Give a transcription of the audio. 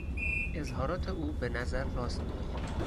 اظهارات او به نظر راست میآید.